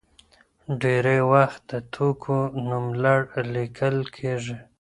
ډېری وخت د توکو نوملړ لیکل کېږي.